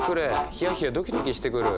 ヒヤヒヤドキドキしてくる。